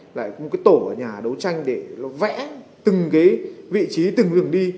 đó là một nơi để vẽ từng vị trí từng đường đi